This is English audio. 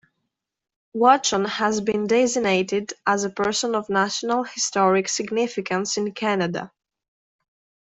Watson has been designated a Person of National Historic Significance in Canada.